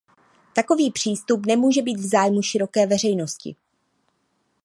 Takový přístup nemůže být v zájmu široké veřejnosti.